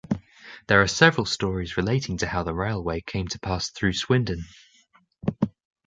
There are several stories relating to how the railway came to pass through Swindon.